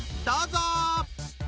どうぞ！